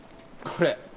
これ。